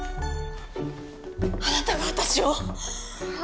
あなたが私を？は？